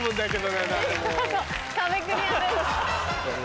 見事壁クリアです。